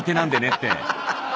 って。